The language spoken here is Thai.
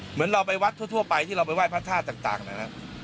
เหมือนเราไปวัดทั่วไปที่เราไปไห้พระธาตุต่างนะครับ